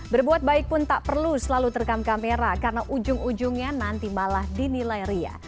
berbuat baik pun tak perlu selalu terekam kamera karena ujung ujungnya nanti malah dinilai ria